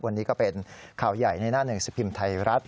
วันนี้ก็เป็นข่าวใหญ่ในหน้าหนึ่งสิบพิมพ์ไทยรัฐ